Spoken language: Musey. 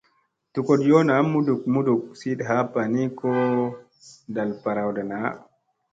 Dogoɗ yo naa muɗmuɗ siiɗ happa ni ko ɗal ɓarawɗa naa.